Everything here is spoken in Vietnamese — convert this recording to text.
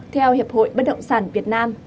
theo hiệp hội bất động sản việt nam